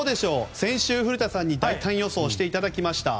先週、古田さんに予想していただきました